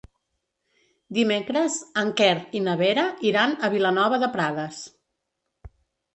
Dimecres en Quer i na Vera iran a Vilanova de Prades.